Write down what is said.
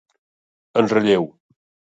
En relleu.